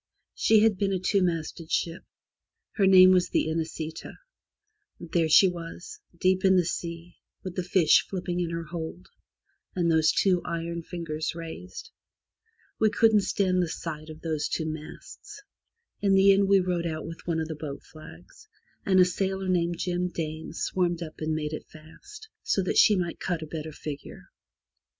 She had been a two masted ship. Her name was the Inesita, There she was, deep in the sea, with the fish flipping in her hold, and those two iron fingers raised. We couldn't stand the sight of those two masts. In the end we rowed out with one of the boat flags, and a sailor named Jim Dane swarmed up and made it fast, so that she might cut a better figure.